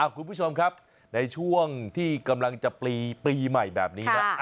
คุณผู้ชมครับในช่วงที่กำลังจะปีใหม่แบบนี้นะ